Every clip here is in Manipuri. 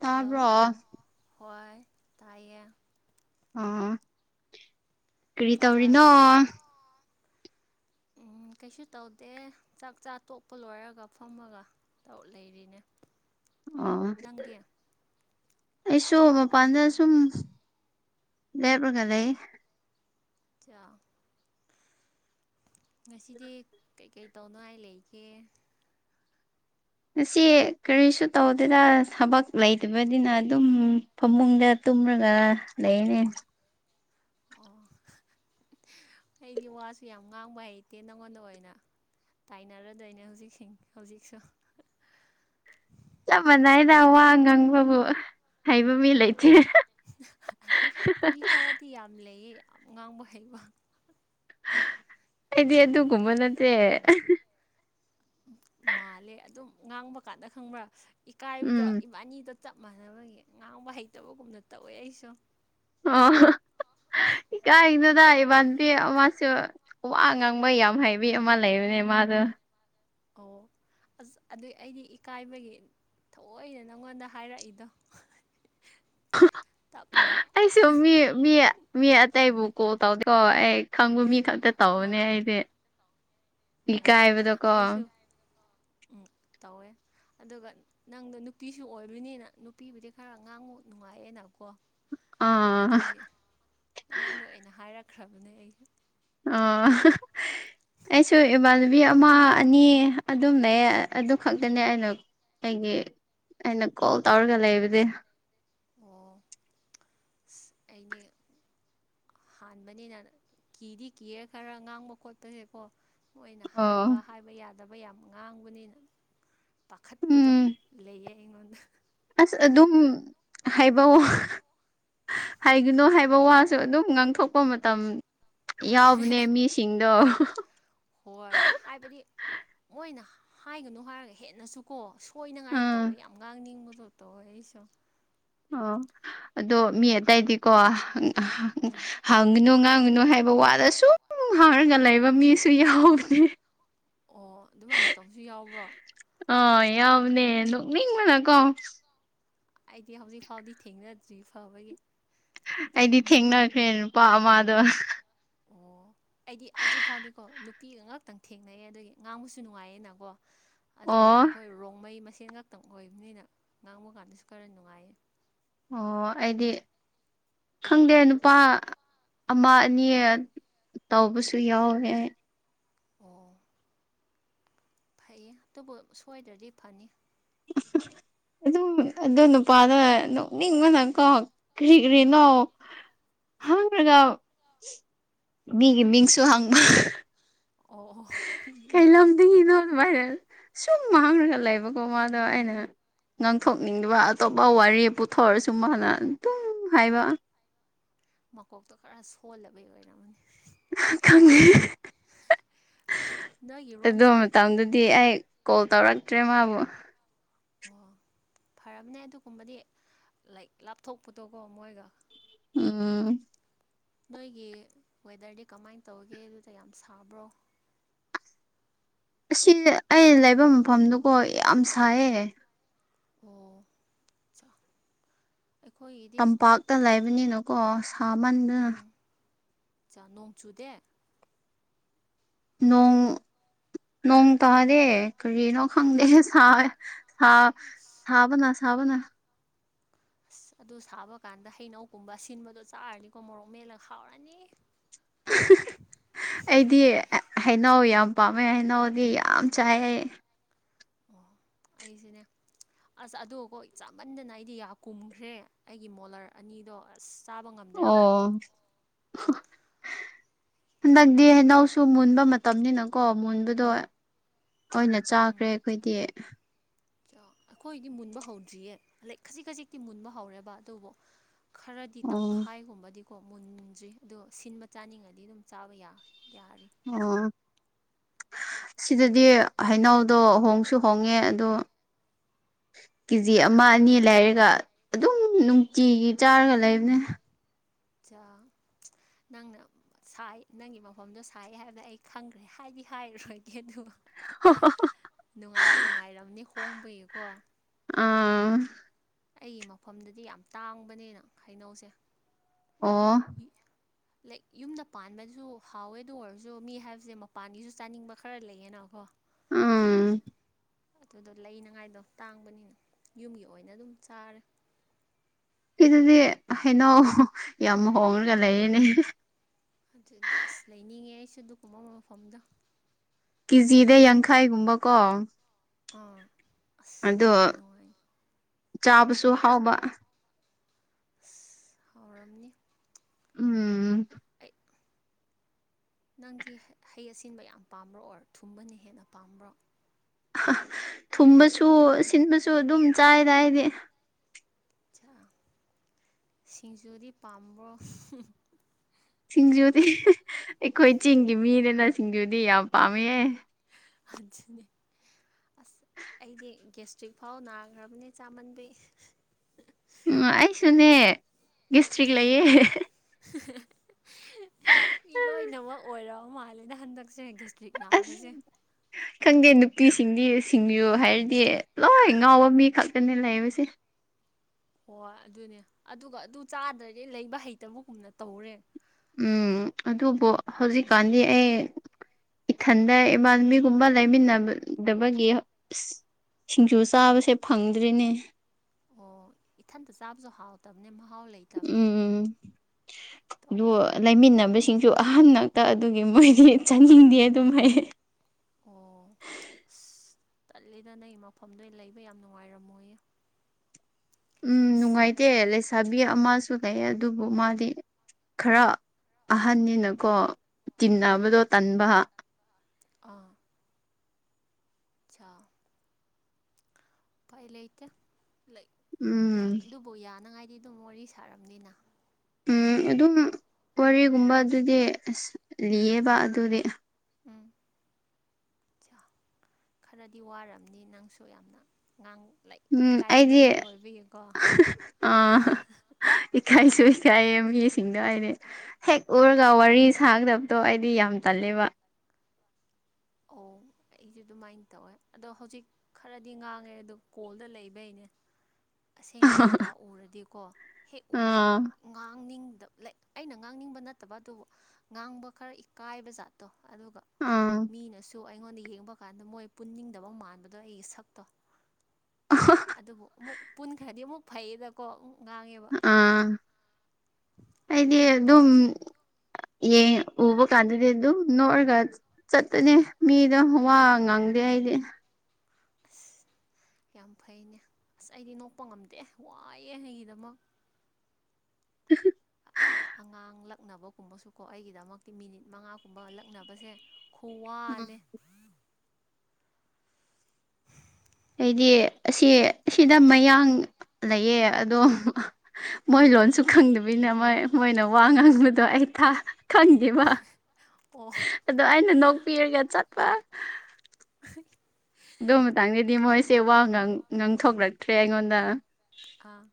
ꯇꯥꯕ꯭ꯔꯣ ꯍꯜꯂꯣ ꯍꯣꯏ ꯇꯥꯏꯌꯦ ꯎꯝ ꯎꯝ ꯀ꯭ꯔꯤ ꯆꯥꯛ ꯇꯧꯔꯤꯅꯣ꯫ ꯆꯥꯔꯕꯣ ꯎꯝ ꯀꯩꯁꯨ ꯇꯧꯗꯦ ꯆꯥꯛꯆꯥ ꯇꯣꯛꯄ ꯂꯣꯏꯔꯒ ꯐꯝꯃꯒ ꯇꯧ ꯂꯩꯔꯤꯅꯦ ꯑꯣ ꯅꯪꯗꯤ ꯑꯩꯁꯨ ꯃꯄꯥꯟꯗ ꯁꯨꯝ ꯂꯦꯞꯔꯒ ꯂꯩ ꯆꯥ ꯉꯁꯤꯗꯤ ꯀꯩ-ꯀꯩ ꯇꯧꯅꯤꯡꯉꯥꯏ ꯂꯩꯒꯦ꯫ ꯉꯁꯤ ꯀꯔꯤꯁꯨ ꯇꯧꯗꯦꯗ ꯊꯕꯛ ꯂꯩꯇꯕꯅꯤꯅ ꯑꯗꯨꯝ ꯐꯃꯨꯡꯗ ꯇꯨꯝꯔꯒ ꯂꯩꯔꯦ ꯑꯣ ꯑꯩꯗꯤ ꯋꯥꯁꯨ ꯌꯥꯝ ꯉꯥꯡꯕ ꯍꯩꯇꯦ ꯅꯪꯉꯣꯟꯗ ꯑꯣꯏꯅ ꯇꯥꯏꯅꯔꯗꯣꯏꯅꯦ ꯍꯧꯖꯤꯛꯁꯤꯡ ꯍꯧꯖꯤꯛꯁꯨ ꯆꯞ ꯃꯥꯟꯅꯥꯏꯗ ꯋꯥ ꯉꯥꯡꯕꯕꯨ ꯍꯩꯕ ꯃꯤ ꯑꯠ ꯂꯩꯇꯦ ꯇꯤ ꯌꯥꯝ ꯂꯩꯌꯦ ꯌꯥꯝ ꯉꯥꯡꯕ ꯍꯩꯕ ꯑꯩꯗꯤ ꯑꯗꯨꯒꯨꯝꯕ ꯅꯠꯇꯦ ꯃꯥꯜꯂꯦ ꯑꯗꯨꯝ ꯉꯥꯡꯕ ꯀꯥꯟꯗ ꯈꯪꯕ꯭ꯔꯥ ꯏꯀꯥꯏꯕꯗꯣ ꯎꯝ ꯏꯕꯥꯅꯤꯗ ꯆꯞ ꯃꯥꯟꯅꯕꯒꯤ ꯉꯥꯡꯕ ꯍꯩꯇꯕꯒꯨꯝꯅ ꯇꯧꯋꯦ ꯑꯩꯁꯨ ꯑꯣ ꯏꯀꯥꯏꯖꯅ ꯏꯃꯥꯟꯅꯗꯤ ꯑꯃꯥꯁꯨ ꯋꯥ ꯉꯥꯡꯕꯤ ꯌꯥꯝ ꯍꯩꯕꯤ ꯑꯃ ꯂꯩꯕꯅꯦ ꯃꯥꯗꯣ ꯑꯣ ꯑꯁ ꯑꯗꯨꯏ ꯑꯩꯗꯤ ꯏꯀꯥꯏꯕꯒꯤ ꯊꯑꯣꯏꯅ ꯅꯪꯉꯣꯟꯗ ꯍꯥꯏꯔꯛꯏꯗꯣ ꯇꯞꯅ ꯑꯩꯁꯨ ꯃꯤ ꯃꯤ ꯃꯤ ꯑꯇꯩꯕꯨ ꯀꯣꯜ ꯇꯧꯗꯦ ꯀꯣ ꯑꯩ ꯈꯪꯕ ꯃꯤ ꯈꯛꯇ ꯇꯧꯕꯅꯦ ꯑꯥ ꯑꯩꯗꯤ ꯍꯣꯏ ꯏꯀꯥꯏꯕꯗꯀꯣ ꯑꯩꯁꯨ ꯎꯝ ꯇꯧꯋꯦ ꯑꯗꯨꯒ ꯅꯪꯗꯣ ꯅꯨꯄꯤꯁꯨ ꯑꯣꯏꯕꯅꯤꯅ ꯅꯨꯄꯤꯕꯨꯗꯤ ꯈꯔ ꯉꯥꯡꯕ ꯅꯨꯡꯉꯥꯏꯑꯦꯅꯀꯣ ꯑꯥ ꯑꯗꯨꯒꯤ ꯅꯪꯉꯣꯟꯗ ꯑꯣꯏꯅ ꯍꯥꯏꯔꯛꯈ꯭ꯔꯕꯅꯦ ꯑꯩ ꯑ ꯑꯩꯁꯨ ꯏꯃꯥꯟꯅꯕꯤ ꯑꯃ ꯑꯅꯤ ꯑꯗꯨꯝ ꯂꯩꯌꯦ ꯑꯗꯨ ꯈꯛꯇꯅꯦ ꯑꯩꯅ ꯑꯩꯒꯤ ꯑꯩꯅ ꯀꯣꯜ ꯇꯧꯔꯒ ꯂꯩꯕꯗꯤ ꯑꯣ ꯑꯁ ꯑꯩꯗꯤ ꯍꯥꯟꯕꯅꯤꯅ ꯀꯤꯗꯤ ꯀꯤꯔꯦ ꯈꯔ ꯉꯥꯡꯕ ꯈꯣꯠꯄꯁꯦꯀꯣ ꯃꯣꯏꯅ ꯑꯣ ꯍꯥꯏꯕ ꯍꯥꯏꯕ ꯌꯥꯗꯕ ꯌꯥꯝ ꯉꯥꯡꯕꯅꯤꯅ ꯄꯥꯈꯠꯄꯗꯣ ꯎꯝ ꯂꯩꯌꯦ ꯑꯩꯉꯣꯟꯗ ꯑꯁ ꯑꯗꯨꯝ ꯍꯥꯏꯕ ꯋꯥ ꯍꯥꯏꯒꯅꯣ ꯍꯥꯏꯕ ꯋꯥ ꯁꯨ ꯑꯗꯨꯝ ꯉꯥꯡꯊꯣꯛꯄ ꯃꯇꯝ ꯌꯥꯎꯕꯅꯦ ꯃꯤꯁꯤꯡꯗꯣ ꯍꯣꯏ ꯍꯥꯏꯕꯗꯤ ꯃꯣꯏꯅ ꯍꯥꯏꯒꯅꯨ ꯍꯥꯏꯔꯒ ꯍꯦꯟꯅꯁꯨ ꯀꯣ ꯀꯣꯏꯅꯉꯥꯏ ꯎꯝ ꯇꯧꯋꯦ ꯌꯥꯝ ꯉꯥꯡꯅꯤꯡꯕꯗꯣ ꯇꯧꯋꯦ ꯑꯩꯁꯨ ꯑꯣ ꯑꯗꯣ ꯃꯤ ꯑꯇꯩꯗꯤꯀꯣ [unintelligible] ꯎꯝ ꯉꯥꯡꯒꯅꯨ ꯉꯥꯡꯉꯅꯨ ꯍꯥꯏꯕ ꯋꯥꯗ ꯁꯨꯝ ꯉꯥꯡꯉꯒ ꯂꯩꯕ ꯃꯤꯁꯨ ꯌꯥꯎꯕꯅꯦ ꯑꯣ ꯑꯗꯨꯃꯥꯏꯅ ꯇꯧꯁꯨ ꯌꯥꯎꯕ꯭ꯔꯣ ꯑꯥ ꯌꯥꯎꯕꯅꯦ ꯅꯣꯛ ꯅꯤꯡꯕꯅꯀꯣ ꯑꯩꯗꯤ ꯍꯧꯖꯤꯛ ꯐꯥꯎꯗꯤ ꯊꯦꯡꯅꯗ꯭ꯔꯤ ꯐꯕꯒꯤ ꯑꯩꯗꯤ ꯊꯦꯡꯅꯈ꯭ꯔꯦ ꯅꯨꯄꯥ ꯑꯃꯗꯣ ꯑꯣ ꯑꯩꯗꯤ ꯍꯧꯖꯤꯛ ꯐꯥꯎꯗꯤꯀꯣ ꯅꯨꯄꯤ ꯉꯥꯛꯇꯪ ꯊꯦꯡꯅꯩꯌꯦ ꯑꯗꯨꯒꯤ ꯉꯥꯡꯕꯁꯨ ꯅꯨꯡꯉꯥꯏꯌꯦꯅꯀꯣ ꯑꯗꯨꯒ ꯑꯣ ꯑꯩꯈꯣꯏ ꯔꯣꯡꯃꯩ ꯃꯁꯦꯟ ꯉꯥꯛꯇꯪ ꯑꯣꯏꯕꯅꯤꯅ ꯉꯥꯡꯕ ꯀꯥꯟꯗꯁꯨ ꯈꯔ ꯅꯨꯡꯉꯥꯏꯌꯦ ꯑꯣ ꯑꯩꯗꯤ ꯈꯪꯗꯦ ꯅꯨꯄꯥ ꯑꯃ ꯑꯅꯤ ꯇꯧꯕꯁꯨ ꯌꯥꯎꯔꯦ ꯑꯣ ꯐꯩꯌꯦ ꯑꯗꯨꯕꯨ ꯁꯣꯏꯗ꯭ꯔꯗꯤ ꯐꯅꯤ ꯑꯗꯨꯝ ꯑꯗꯨ ꯅꯨꯄꯥꯗꯣ ꯅꯣꯛꯅꯤꯡꯕꯅ ꯀꯣ ꯀ꯭ꯔꯤ ꯎꯝ ꯀ꯭ꯔꯤꯅꯣ [unintelligible] ꯃꯤꯒꯤ ꯃꯤꯡꯁꯨ ꯍꯪꯕ ꯑꯣ ꯑꯩꯒꯤ ꯃꯤꯡꯁꯨ [unintelligible] ꯁꯨꯝ ꯍꯡꯔꯒ ꯂꯩꯕꯀꯣ ꯃꯥꯗꯣ ꯑꯩꯅ ꯉꯥꯡꯊꯣꯛꯅꯤꯡꯗꯕ ꯑꯇꯣꯞꯄ ꯋꯥꯔꯤ ꯄꯨꯊꯣꯛꯑꯁꯨ ꯃꯥꯅ ꯑꯗꯨꯝ ꯍꯥꯏꯕ ꯃꯀꯣꯛꯇꯣ ꯈꯔ ꯁꯣꯜꯂꯕꯩ ꯑꯣꯏꯔꯝꯃꯅꯤ ꯈꯪꯗꯦ ꯅꯣꯏꯒꯤ ꯑꯗꯨ ꯔꯣꯝꯗꯗꯤ ꯃꯇꯝꯗꯗꯤ ꯑꯩ ꯀꯣꯜ ꯇꯧꯔꯛꯇ꯭ꯔꯦ ꯃꯥꯕꯨ ꯑꯣ ꯐꯔꯕꯅꯦ ꯑꯗꯨꯒꯨꯝꯕꯗꯤ ꯂꯥꯏꯛ ꯂꯥꯞꯊꯣꯛꯄꯗꯣꯀꯣ ꯃꯣꯏꯒ ꯎꯝ ꯅꯣꯏꯒꯤ ꯋꯦꯗꯔꯗꯤ ꯀꯃꯥꯏꯅ ꯇꯧꯒꯦ ꯑꯗꯨꯗ ꯌꯥꯝ ꯁꯥꯕ꯭ꯔꯣ ꯑꯁꯤ ꯑꯩ ꯂꯩꯕ ꯃꯐꯝꯗꯨꯀꯣ ꯌꯥꯝ ꯁꯥꯏꯌꯦ ꯑꯣ ꯆ ꯇꯝꯄꯥꯛꯇ ꯂꯩꯕꯅꯤꯅꯀꯣ ꯁꯥꯃꯟꯗꯨꯅ ꯏꯆꯥ ꯅꯣꯡ ꯆꯨꯗꯦ ꯅꯣꯡ ꯅꯣꯡ ꯇꯥꯗꯦ ꯀꯔꯤꯅꯣ ꯈꯪꯗꯦ ꯁꯥꯏꯌꯦ ꯁꯥ ꯁꯥꯕꯅ ꯁꯥꯕꯅ ꯑꯁ ꯑꯗꯨ ꯁꯥꯕ ꯀꯥꯟꯗ ꯍꯩꯅꯧꯒꯨꯝꯕ ꯑꯁꯤꯟꯕꯗꯣ ꯆꯥꯔꯅꯤꯀꯣ ꯃꯣꯔꯣꯛ ꯃꯦꯜꯂ ꯈꯥꯎꯔꯅꯤ [inaudible] ꯑꯩꯗꯤ ꯍꯩꯅꯎ ꯌꯥꯝ ꯄꯥꯝꯃꯦ ꯍꯩꯅꯎꯗꯤ ꯌꯥꯝ ꯆꯥꯏꯌꯦ ꯑꯣ ꯑꯩꯁꯨꯅꯦ ꯑꯁ ꯑꯗꯨꯀꯣ ꯆꯥꯃꯟꯗꯅ ꯑꯩꯗꯤ ꯌꯥꯝ ꯀꯨꯝꯈ꯭ꯔꯦ ꯑꯩꯒꯤ ꯃꯣꯂꯔ ꯑꯅꯤꯗꯣ ꯑꯁ ꯆꯥꯕ ꯉꯝꯗ꯭ꯔꯦ ꯍꯟꯗꯛꯇꯤ ꯑꯣ [inaudible] ꯍꯟꯗꯛꯇꯤ ꯍꯩꯅꯧꯁꯨ ꯃꯨꯟꯕ ꯃꯇꯝꯅꯤꯅꯀꯣ ꯃꯨꯟꯕꯗꯣ ꯇꯣꯏꯅ ꯎꯝ ꯆꯥꯈ꯭ꯔꯦ ꯑꯩꯈꯣꯏꯗꯤ ꯑꯩꯈꯣꯏꯗꯤ ꯃꯨꯟꯕ ꯍꯧꯗ꯭ꯔꯤꯌꯦ ꯂꯦꯛ ꯈꯥꯖꯤꯛ ꯈꯥꯖꯤꯛꯇꯤ ꯃꯨꯟꯕ ꯍꯧꯔꯦꯕ ꯑꯗꯨꯕꯨ ꯈꯔꯗꯤ ꯑꯣ ꯇꯪꯈꯥꯏꯒꯨꯝꯕꯗꯤ ꯀꯣ ꯃꯨꯟꯗ꯭ꯔꯤ ꯑꯗꯣ ꯁꯤꯟꯕ ꯆꯥꯅꯤꯡꯉꯗꯤ ꯑꯗꯨꯝ ꯆꯥꯕ ꯌꯥꯔꯦ ꯑꯣ ꯁꯤꯗꯗꯤ ꯍꯩꯅꯎꯗꯣ ꯍꯣꯡꯁꯨ ꯍꯣꯡꯉꯦ ꯑꯗꯣ ꯀꯦꯖꯤ ꯑꯃ ꯑꯅꯤ ꯂꯩꯔꯒ ꯑꯗꯨꯝ ꯅꯨꯡꯇꯤꯒꯤ ꯆꯥꯔꯒ ꯂꯩꯕꯅꯦ ꯑꯆꯥ ꯅꯪꯅ ꯁꯥꯏ ꯅꯪꯒꯤ ꯃꯐꯝꯗꯣ ꯁꯥꯏ ꯍꯥꯏꯕ ꯑꯩ ꯈꯪꯈ꯭ꯔꯦ ꯍꯥꯏꯗꯤ ꯍꯥꯏꯔꯣꯏꯒꯦ ꯑꯗꯨꯒ ꯍ [unintelligible] ꯅꯨꯡꯉꯥꯏꯗꯤ ꯅꯨꯡꯉꯥꯏꯔꯝꯅꯤ ꯍꯣꯡꯕꯒꯤꯀꯣ ꯑꯥ ꯑꯩꯒꯤ ꯃꯐꯝꯗꯗꯤ ꯌꯥꯝ ꯇꯥꯡꯕꯅꯦꯅ ꯈꯩꯅꯧꯁꯦ ꯑꯣ [inaudible] ꯂꯥꯏꯛ ꯌꯨꯝꯗ ꯄꯥꯟꯕꯁꯨ ꯍꯥꯎꯋꯦ ꯑꯣꯏꯔꯁꯨ ꯃꯤ ꯍꯥꯏꯕꯁꯦ ꯃꯄꯥꯟꯒꯤꯁꯨ ꯆꯥꯅꯤꯡꯕ ꯈꯔ ꯂꯩꯌꯦꯅꯀꯣ ꯎꯝ [inaudible] ꯑꯗꯨꯗꯣ ꯂꯩꯅꯉꯥꯏꯗꯣ ꯇꯥꯡꯕꯅꯤꯅ ꯌꯨꯝꯒꯤ ꯑꯣꯏꯅ ꯑꯗꯨꯝ ꯆꯥꯔꯦ ꯁꯤꯗꯗꯤ ꯍꯩꯅꯧ ꯌꯥꯝ ꯍꯣꯡꯉꯒ ꯂꯩꯔꯤꯅꯦ ꯑꯗꯨꯗ ꯑꯁ ꯂꯩꯅꯤꯡꯉꯦ ꯑꯩꯁꯨ ꯑꯗꯨꯒꯨꯝꯕ ꯃꯐꯝꯗꯣ ꯀꯦꯖꯤꯗ ꯌꯥꯡꯈꯥꯏꯒꯨꯝꯕ ꯀꯣ ꯑꯥ ꯑꯁ ꯑꯗꯣ ꯌꯥꯝ ꯅꯨꯡꯉꯥꯏ ꯆꯥꯕꯁꯨ ꯍꯥꯎꯕ ꯍꯧꯔꯝꯅꯤ ꯎꯝ ꯅꯪꯗꯤ ꯍꯩ ꯑꯁꯤꯟꯕ ꯌꯥꯝ ꯄꯥꯝꯕ꯭ꯔꯣ ꯑꯣꯔ ꯊꯨꯝꯕꯅ ꯍꯦꯟꯅ ꯄꯥꯝꯕ꯭ꯔꯣ ꯊꯨꯝꯕꯁꯨ ꯁꯤꯟꯕꯁꯨ ꯑꯗꯨꯝ ꯆꯥꯏꯗ ꯑꯩꯗꯤ ꯁꯤꯡꯖꯨꯗꯤ ꯄꯥꯝꯕ꯭ꯔꯣ ꯁꯤꯡꯖꯨꯗꯤ ꯑꯩꯈꯣꯏ ꯆꯤꯡꯒꯤ ꯃꯤꯅꯤꯅ ꯁꯤꯡꯖꯨꯗꯤ ꯌꯥꯝ ꯄꯥꯝꯃꯦꯍꯦ [unintelligible] ꯑꯁ ꯑꯩꯗꯤ ꯒꯦꯁꯇ꯭ꯔꯤꯛ ꯐꯥꯎ ꯅꯥꯈ꯭ꯔꯕꯅꯦ ꯆꯥꯃꯟꯕꯩ ꯎꯝ ꯑꯩꯁꯨꯅꯦ ꯒꯦꯁꯇ꯭ꯔꯤꯛ ꯂꯩꯌꯦ ꯃꯤ ꯂꯣꯏꯅꯃꯛ ꯑꯣꯏꯔꯕ ꯃꯥꯜꯂꯦꯅ ꯍꯟꯗꯛ ꯁꯦ ꯗꯤꯁꯇ꯭ꯔꯤꯛ ꯑꯁ ꯅꯥꯕꯁꯦ ꯈꯪꯗꯦ ꯅꯨꯄꯤꯁꯤꯡꯗꯤ ꯁꯤꯡꯕꯤꯌꯨ ꯍꯥꯏꯔꯗꯤ ꯂꯣꯏ ꯉꯥꯎꯕ ꯃꯤ ꯈꯛꯇꯅꯦ ꯂꯩꯕꯁꯦ ꯍꯣꯏ ꯑꯗꯨꯅꯦ ꯑꯗꯨꯒ ꯑꯗꯨ ꯆꯥꯗ꯭ꯔꯗꯤ ꯂꯩꯕ ꯍꯩꯇꯕꯒꯨꯝꯅ ꯇꯧꯔꯦ ꯎꯝ ꯑꯗꯨꯕꯨ ꯍꯧꯖꯤꯛꯀꯥꯟꯗꯤ ꯑꯩ ꯏꯊꯟꯗ ꯏꯃꯥꯟꯕꯤꯒꯨꯝꯕ ꯂꯩꯃꯤꯟꯅꯗꯕꯒꯤ ꯁꯤꯡꯖꯨ ꯆꯥꯕꯁꯦ ꯐꯪꯗ꯭ꯔꯤꯅꯦ ꯑꯣ ꯏꯊꯟꯇ ꯆꯥꯕꯖꯨ ꯍꯥꯎꯇꯕꯅꯦ ꯃꯍꯥꯎ ꯂꯩ__ ꯎꯝ ꯂꯣ ꯇꯧꯋꯦ ꯂꯩꯃꯤꯟꯅꯕꯁꯤꯡꯁꯨ ꯑꯍꯟ ꯅꯥꯛꯇ ꯑꯗꯨꯒꯤ ꯃꯣꯏꯗꯤ ꯆꯥꯅꯤꯡꯗꯦ ꯑꯗꯨꯝ ꯍꯥꯏ ꯑꯣ ꯑꯁ ꯇꯜꯂꯤꯗ ꯅꯩ ꯃꯐꯝꯗꯣ ꯂꯩꯕ ꯌꯥꯝ ꯅꯨꯡꯉꯥꯏꯔꯝꯃꯣꯏꯌꯦ ꯎꯝ ꯑꯁ ꯅꯨꯡꯉꯥꯏꯇꯦ ꯂꯩꯁꯥꯕꯤ ꯑꯃꯁꯨ ꯂꯩꯌꯦ ꯑꯗꯨꯕꯨ ꯃꯥꯗꯤ ꯈꯔ ꯑꯍꯟꯅꯤꯅꯀꯣ ꯎꯝ ꯇꯤꯟꯅꯕꯗꯣ ꯇꯟꯕ ꯑꯥ ꯁꯥ ꯎꯄꯥꯏ ꯂꯩꯇꯦ ꯂꯩꯛ ꯌꯥ ꯎꯝ ꯑꯗꯨ__ ꯕꯨ ꯌꯥꯅꯉꯥꯏꯗꯤ ꯑꯗꯨꯝ ꯋꯥꯔꯤ ꯁꯥꯔꯝꯅꯤꯅ ꯎꯝ ꯑꯗꯨꯝ ꯋꯥꯔꯤꯒꯨꯝꯕ ꯑꯗꯨꯗꯤ ꯑꯁ ꯂꯤꯌꯦꯕ ꯑꯗꯨꯗꯤ ꯎꯝ ꯆꯥ ꯈꯔꯗꯤ ꯋꯥꯔꯝꯅꯤ ꯅꯪꯁꯨ ꯌꯥꯝꯅ ꯉꯥꯡ ꯂꯥꯏꯛ ꯎꯝ ꯏꯀꯥꯏꯒꯟꯕ ꯑꯩꯗꯤ ꯃꯤ ꯑꯣꯏꯕꯒꯤꯀꯣ ꯑꯥ ꯏꯀꯥꯏꯁꯨ ꯏꯀꯥꯏꯌꯦ ꯃꯤꯁꯤꯡꯗꯣ ꯑꯩꯗꯤ ꯍꯦꯛ ꯎꯔꯒ ꯋꯥꯔꯤ ꯁꯥꯒꯗꯕꯗꯣ ꯑꯩꯗꯤ ꯌꯥꯝ ꯇꯜꯂꯦꯕ ꯑꯣ ꯑꯩꯖꯨ ꯑꯗꯨꯃꯥꯏꯟ ꯇꯧꯋꯦ ꯑꯗꯣ ꯍꯧꯖꯤꯛ__ ꯈꯔꯗꯤ ꯉꯥꯡꯉꯦ ꯑꯗꯨ ꯀꯣꯜꯗ ꯂꯩꯕꯩꯅꯦ ꯑꯁꯦꯡꯕꯗ ꯀꯥꯛꯎꯔꯗꯤꯀꯣ ꯍꯦꯛ ꯎꯔꯒ ꯑꯥ ꯉꯥꯡꯅꯤꯡꯗꯞꯂꯦꯛ ꯑꯩꯅ ꯉꯥꯡꯅꯤꯡꯕ ꯅꯠꯇꯕ ꯑꯗꯨꯕꯨ ꯉꯥꯡꯕ ꯈꯔ ꯏꯀꯥꯏꯕ ꯖꯥꯠꯇꯣ ꯑꯗꯨꯒ ꯎꯝ ꯏꯅꯁꯨ ꯑꯩꯉꯣꯟꯗ ꯌꯦꯡꯕ ꯀꯥꯟꯗ ꯃꯣꯏ ꯄꯨꯟꯅꯤꯡꯗꯕ ꯃꯥꯟꯕꯗꯣ ꯑꯩꯒꯤ ꯁꯛꯇꯣ ꯑꯗꯨꯕꯨ ꯑꯃꯨꯛ ꯄꯨꯟꯈ꯭ꯔꯗꯤ ꯑꯃꯨꯛ ꯐꯩꯌꯦꯗꯀꯣ ꯑꯃꯨ ꯉꯥꯡꯉꯦꯕ ꯑꯗꯣ ꯑꯥ ꯑꯩꯗꯤ ꯑꯗꯨꯃꯥꯏꯅ ꯑꯗꯨꯝ ꯇꯧꯋꯦ ꯌꯦꯡ ꯎꯕ ꯀꯥꯟꯗꯗꯤ ꯑꯗꯨꯝ ꯅꯣꯛꯑꯔꯒ ꯆꯠꯄꯅꯦ ꯃꯤꯗꯣ ꯋꯥ ꯉꯥꯡꯗꯦ ꯑꯩꯗꯤ ꯑꯁ ꯌꯥꯝ ꯐꯩꯅꯦ ꯑꯁ ꯑꯩꯗꯤ ꯅꯣꯛꯄ ꯉꯝꯗꯦ ꯋꯥꯏꯌꯦ ꯑꯩꯒꯤꯗꯃꯛ [unintelligible] ꯑꯉꯥꯡ ꯂꯛꯅꯕꯒꯨꯝꯕꯁꯨꯀꯣ ꯑꯩꯒꯤꯗꯃꯛꯇꯤ ꯃꯤꯅꯤꯠ ꯃꯉꯥꯒꯨꯝꯕ ꯂꯛꯅꯕꯁꯦ ꯎꯝ ꯈꯨꯋꯥꯅꯦ ꯑꯩꯗꯤ ꯑꯁꯤ ꯁꯤꯗ ꯃꯌꯥꯡ ꯂꯩꯌꯦ ꯑꯗꯣ ꯃꯣꯏ ꯎꯝ ꯂꯣꯟꯁꯨ ꯈꯪꯗꯕꯤꯅ ꯃꯣꯏ ꯃꯣꯏꯅ ꯋꯥ ꯉꯥꯡꯕꯗꯣ ꯑꯩ ꯊꯥ ꯈꯪꯗꯦꯕ ꯑꯣ ꯑꯗꯣ ꯑꯩꯅ ꯅꯣꯛꯄꯤꯔꯒ ꯆꯠꯄ [unintelligible] ꯑꯗꯨ ꯃꯇꯥꯡꯗꯗꯤ ꯃꯣꯏꯁꯦ ꯋꯥ ꯉꯥꯡ ꯉꯥꯡꯊꯣꯛꯔꯛꯇ꯭ꯔꯦ ꯑꯩꯉꯣꯟꯗ ꯑꯥ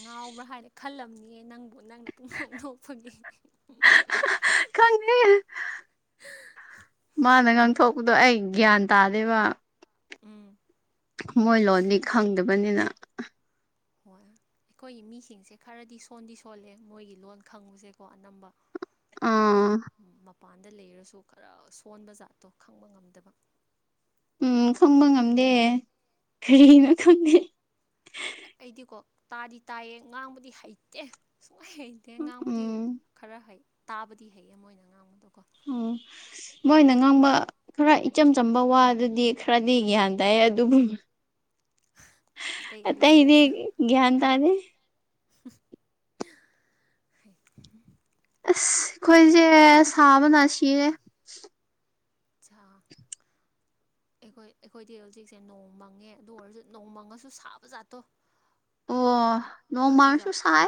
ꯉꯥꯎꯕ꯭ꯔꯥ ꯍꯥꯏꯅ ꯈꯜꯂꯝꯅꯤꯌꯦ ꯅꯪꯕꯨ ꯅꯪꯅ ꯄꯨꯡꯅꯣꯛ ꯅꯣꯛꯄꯒꯤ ꯈꯪꯗꯦ [unintelligible] ꯃꯥꯅ ꯉꯥꯡꯊꯣꯛꯄꯗꯣ ꯑꯩ ꯒ꯭ꯌꯥꯟ ꯇꯥꯗꯦꯕ ꯎꯝ ꯃꯣꯏ ꯂꯣꯟꯅꯤ ꯈꯪꯗꯕꯅꯤꯅ ꯍꯣꯏ ꯑꯩꯈꯣꯏꯒꯤ ꯃꯤꯁꯤꯡꯁꯦ ꯈꯔꯗꯤ ꯁꯣꯟꯗꯤ ꯁꯣꯜꯂꯦ ꯃꯣꯏꯒꯤ ꯂꯣꯟ ꯈꯪꯕꯁꯦꯀꯣ ꯑꯅꯝꯕ ꯑꯥ ꯃꯄꯥꯟꯗ ꯂꯩꯔꯁꯨ ꯈꯔꯥ ꯁꯣꯟꯕ ꯖꯥꯠꯇꯣ ꯈꯪꯕ ꯉꯝꯗꯕ ꯎꯝ ꯈꯪꯕ ꯉꯝꯗꯦ ꯀꯔꯤꯅꯣ ꯈꯪꯗꯦ ꯑꯩꯗꯤꯀꯣ ꯇꯥꯗꯤ ꯇꯥꯏꯌꯦ ꯉꯥꯡꯕꯗꯤ ꯍꯩꯇꯦ ꯁꯨꯡꯍꯩ ꯍꯩꯇꯦ ꯉꯥꯡꯕꯗꯤ ꯎꯝ ꯈꯔ ꯍꯩ ꯇꯥꯕꯗꯤ ꯍꯩꯌꯦ ꯃꯣꯏꯅ ꯉꯥꯡꯕꯗꯣꯀꯣ ꯑꯣ ꯃꯣꯏꯅ ꯉꯥꯡꯕ ꯈꯔ ꯏꯆꯝ ꯆꯝꯕ ꯋꯥ ꯑꯗꯨꯗꯤ ꯈꯔꯗꯤ ꯒ꯭ꯌꯥꯟ ꯇꯥꯏꯌꯦ ꯑꯗꯨꯕꯨ ꯑꯇꯩ ꯑꯇꯩꯗꯤ ꯑꯂꯨꯖꯥꯠꯇꯣ ꯒꯌ꯭ꯥꯟ ꯇꯥꯗꯦ ꯍꯩ ꯑꯁ ꯑꯩꯈꯣꯏꯁꯦ ꯁꯥꯕꯅ ꯁꯤꯔꯦ ꯁꯥꯕꯅ ꯑꯩꯈꯣꯏ ꯑꯩꯈꯣꯏꯗꯤ ꯍꯧꯖꯤꯛꯁꯦ ꯅꯣꯡ ꯃꯪꯉꯦ ꯑꯗꯨ ꯑꯣꯏꯔꯁꯨ ꯅꯣꯡ ꯃꯪꯉꯁꯨ ꯁꯥꯕ ꯖꯥꯠꯇꯣ ꯑꯣ ꯑꯗꯨ ꯅꯣꯡꯃꯥꯡꯁꯨ ꯖꯥꯠ ꯁꯥꯏ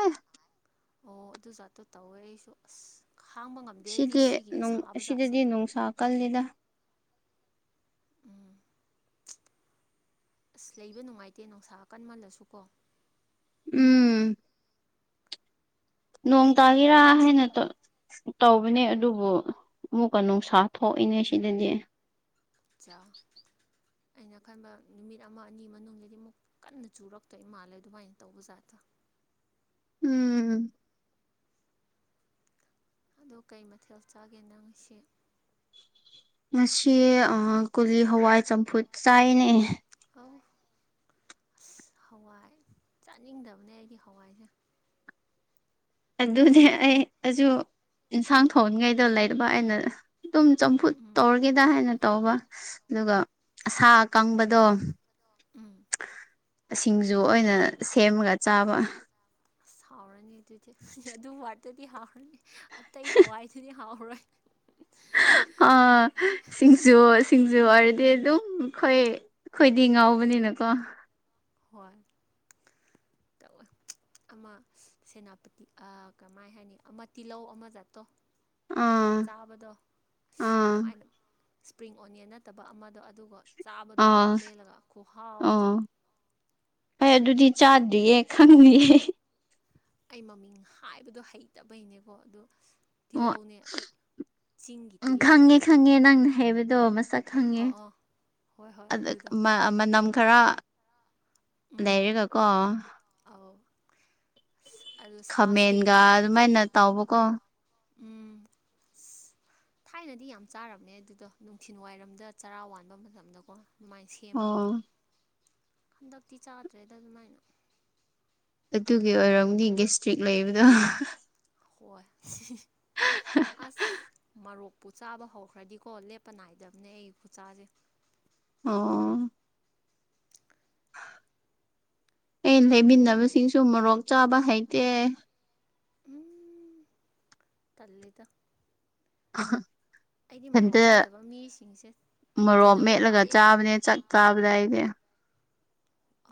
ꯑꯣ ꯑꯗꯨ ꯖꯥꯠꯇꯣ ꯇꯧꯋꯦ ꯑꯩꯁꯨ ꯑꯁ ꯈꯥꯡꯕ ꯉꯝꯗꯦ ꯑꯩꯗꯤ ꯁꯤꯗꯤ ꯁꯤꯒꯤ ꯁꯥꯕ ꯖꯥꯠꯁꯦ ꯑꯁꯤꯗꯗꯤ ꯅꯨꯡꯁꯥ ꯀꯜꯂꯤꯗ ꯎꯝ ꯑꯁ ꯂꯩꯕ ꯅꯨꯡꯉꯥꯏꯇꯦ ꯅꯨꯡꯁꯥ ꯀꯟꯃꯜꯂꯁꯨ ꯀꯣ ꯎꯝ ꯅꯣꯡ ꯇꯥꯒꯤꯔꯥ ꯍꯥꯏꯅ ꯇꯧ ꯇꯧꯕꯅꯦ ꯑꯗꯨꯕꯨ ꯑꯃꯨꯛꯀ ꯅꯨꯡꯁꯥ ꯊꯣꯛꯑꯦꯅꯦ ꯁꯤꯗꯗꯤ ꯑꯆꯥ ꯑꯩꯅ ꯈꯟꯕ ꯅꯨꯃꯤꯠ ꯑꯃ ꯑꯅꯤ ꯃꯅꯨꯡꯗꯗꯤ ꯑꯃꯨꯛ ꯀꯟꯅ ꯆꯨꯔꯛꯇꯣꯏ ꯃꯥꯜꯂꯦ ꯑꯗꯨꯃꯥꯏꯅ ꯇꯧꯕ ꯖꯥꯠꯇꯣ ꯎꯝ ꯑꯣ ꯀꯩ ꯃꯥꯊꯦꯜ ꯆꯥꯒꯦ ꯅꯪ ꯉꯁꯤ ꯉꯁꯤ ꯀꯣꯂꯤ ꯍꯋꯥꯏ ꯆꯝꯐꯨꯠ ꯆꯥꯏꯅꯦ ꯑ ꯑꯁ ꯍꯋꯥꯏ ꯆꯥꯅꯤꯡꯗꯕꯅꯦ ꯑꯩꯗꯤ ꯍꯋꯥꯏꯁꯦ ꯑꯗꯨꯗꯤ ꯑꯩ ꯑꯗꯨꯁꯨ ꯌꯦꯟꯁꯥꯡ ꯊꯣꯡꯅꯤꯡꯉꯥꯢꯗꯣ ꯂꯩꯇꯕ ꯑꯩꯅ ꯑꯗꯨꯝ ꯆꯝꯐꯨꯠ ꯎꯝ ꯇꯧꯔꯒꯦꯗ ꯍꯥꯏꯅ ꯇꯧꯕ ꯑꯗꯨꯒ ꯑ ꯁꯥ ꯑꯀꯪꯕꯗꯣ ꯎꯝ ꯁꯤꯡꯖꯨ ꯑꯣꯏꯅ ꯁꯦꯝꯃꯒ ꯆꯥꯕ ꯑꯁ ꯍꯥꯎꯔꯅꯤ ꯑꯗꯨꯗꯤ ꯑꯗꯨ ꯍꯋꯥꯏꯗꯨꯗꯤ ꯍꯥꯎꯔꯅꯤ ꯑꯇꯩ ꯍꯋꯥꯏꯗꯨꯗꯤ ꯍꯥꯎꯔꯔꯣꯏ ꯎꯝ ꯎꯝ ꯁꯤꯡ ꯖꯨ ꯁꯤꯡꯖꯨ ꯍꯥꯏꯔꯗꯤ ꯑꯗꯨꯝ ꯑꯩꯈꯣꯏ ꯑꯩꯈꯣꯏꯗꯤ ꯉꯥꯎꯕꯅꯤꯅꯀꯣ ꯍꯣꯏ ꯇꯧ ꯑꯃ ꯁꯦꯅꯥꯄꯥꯇꯤ ꯀꯃꯥꯏ ꯍꯥꯏꯅꯤ ꯑꯃ ꯇꯤꯜꯍꯧ ꯑꯃ ꯆꯥꯠꯇꯣ ꯌꯥꯝ ꯑꯥ ꯆꯥꯕꯗꯣ ꯑꯥ ꯀꯃꯥꯏꯅ ꯏꯁꯄ꯭ꯔꯤꯡ ꯑꯣꯅꯤꯌꯟ ꯅꯠꯇꯕ ꯑꯃꯗꯣ ꯑꯗꯨꯒ ꯆꯥꯕꯗꯣ ꯃꯣꯔꯣꯛ ꯑꯥ ꯃꯦꯠꯂꯒ ꯈꯨꯍꯥꯎꯗꯤ ꯍꯣꯏ ꯑꯗꯨꯗꯤ ꯆꯥꯗ꯭ꯔꯤꯌꯦ ꯈꯪꯅꯤꯌꯦ ꯑꯩ ꯃꯃꯤꯡ ꯍꯥꯏꯕꯗꯣ ꯍꯩꯇꯕꯩꯅꯦꯀꯣ ꯑꯥ ꯑꯣ ꯇꯤꯜꯍꯧꯅꯦ ꯆꯤꯡꯒꯤ ꯎꯝ ꯇꯤꯜꯍꯧ ꯈꯪꯉꯦ ꯇꯥꯏꯞꯇ ꯈꯪꯉꯦ ꯇꯧꯔꯒ ꯅꯪꯅ ꯍꯥꯏꯕꯗꯣ ꯃꯁꯛ ꯑ ꯈꯪꯉꯦ ꯑꯥ ꯍꯣꯏ ꯍꯣꯏ ꯑꯗꯨ ꯑꯗꯨꯗꯣ ꯃꯅꯝ ꯈꯔ ꯎꯝ ꯂꯩꯔꯒꯀꯣ ꯑꯧ ꯑꯗꯨ ꯁꯥ ꯈꯥꯃꯦꯟꯒ ꯁꯦꯠꯄꯤꯕ ꯑꯗꯨꯃꯥꯏꯅ ꯇꯧꯕꯀꯣ ꯎꯝ ꯊꯥꯏꯅꯗꯤ ꯌꯥꯝ ꯆꯥꯔꯝꯃꯦ ꯑꯗꯨꯗꯣ ꯅꯨꯡꯊꯤꯟ ꯋꯥꯏꯔꯝꯗꯥꯢꯗ ꯆꯔꯥ ꯋꯥꯟꯕ ꯃꯇꯝꯗꯀꯣ ꯑꯗꯨꯃꯥꯏꯅ ꯁꯤ ꯁꯦꯝꯃꯒ ꯑꯣ ꯍꯟꯗꯛꯇꯤ ꯆꯥꯗ꯭ꯔꯦꯗ ꯑꯗꯨꯃꯥꯏꯅ ꯑꯗꯨꯒꯤ ꯑꯣꯏꯔꯝꯅꯤ ꯒꯦꯁꯇ꯭ꯔꯤꯛ ꯂꯩꯕꯗꯣ ꯍꯣꯏ ꯑꯁ ꯃꯣꯔꯣꯛ ꯄꯨ ꯆꯥꯕ ꯍꯧꯈ꯭ꯔꯗꯤꯀꯣ ꯂꯦꯞꯄ ꯅꯥꯏꯗꯕꯅꯦ ꯑꯩ ꯈꯨꯆꯥꯁꯦ [unintelligible] ꯑꯩ ꯂꯩꯃꯤꯟꯅꯕꯁꯤꯡꯁꯨ ꯃꯣꯔꯣꯛ ꯆꯥꯕ ꯍꯩꯇꯦ ꯎꯝ ꯇꯜꯂꯤꯗ ꯑꯩꯗꯤ ꯃꯣꯔꯣꯛ ꯍꯟꯇꯛ ꯆꯥꯗꯕ ꯃꯤꯁꯤꯡꯁꯦ ꯃꯣꯔꯣꯛ ꯇꯤꯟꯅꯕ ꯃꯦꯠꯂꯒ ꯋꯥꯏꯑꯦ ꯆꯥꯕꯅꯦ ꯆꯛ ꯆꯥꯕꯗ ꯑꯩꯗꯤ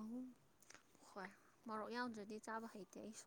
ꯑꯍꯨꯝ ꯍꯣꯏ ꯃꯣꯔꯣꯛ ꯌꯥꯎꯗ꯭ꯔꯗꯤ ꯆꯥꯕ ꯍꯩꯇꯦ ꯑꯩꯁꯨ